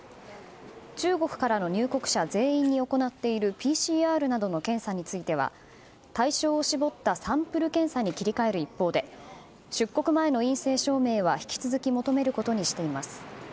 中国からの入国者全員に行っているＰＣＲなどの検査については対象を絞ったサンプル検査に切り替える一方で出国前の陰性証明は引き続き求めることにしています。